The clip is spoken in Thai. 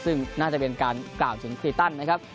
ซึ่งน่าจะเป็นการกล่าวถึงคลีตันนะครับ